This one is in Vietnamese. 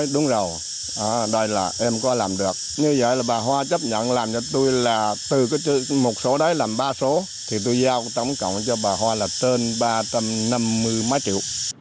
đúng rồi đây là em có làm được như vậy là bà hoa chấp nhận làm cho tôi là từ một số đấy làm ba số thì tôi giao tổng cộng cho bà hoa là trên ba trăm năm mươi mấy triệu